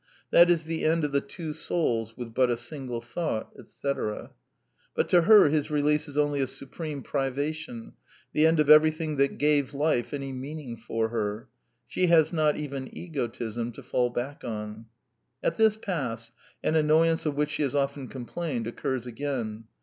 That is the end of the ^^ two souls with but a single thought," &c. But to her his release is only a supreme pri vation, the end of everything that gaye life any meaning for hen She has not even egotism to fall back on. At this pass, an annoyance of which she has often complained occurs again.